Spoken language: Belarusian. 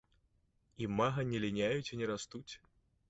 Імага не ліняюць і не растуць.